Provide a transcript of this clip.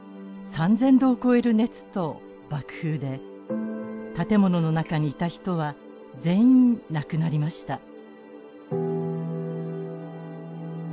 ３，０００度を超える熱と爆風で建物の中にいた人は全員亡くなりました。